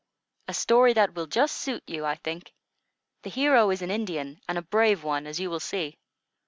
"A story that will just suit you, I think. The hero is an Indian, and a brave one, as you will see.